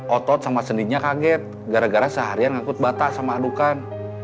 otot sama sendinya kaget gara gara seharian ngangkut batak sama adukan